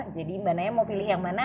jadi mbak naya mau pilih yang mana